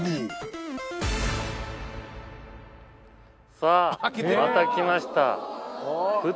さあまた来ました。